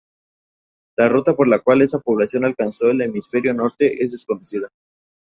La ruta por la cual esa población alcanzó el hemisferio norte es desconocida.